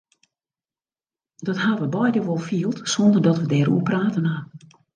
Dat ha we beide wol field sonder dat we dêroer praten ha.